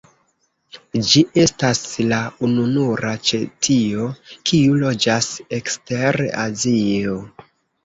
Ĝi estas la ununura ĉetio kiu loĝas ekster Azio.